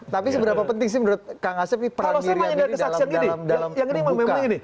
tapi seberapa penting sih menurut kang gasef ini peran miriam ini dalam membuka